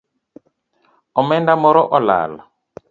Omenda moro olal